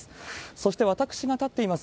そして私が立っています